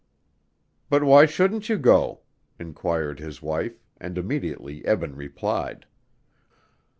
"But why shouldn't you go?" inquired his wife, and immediately Eben replied.